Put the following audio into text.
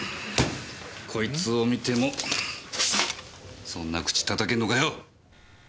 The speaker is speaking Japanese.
こいつを見てもそんな口叩けんのかよ！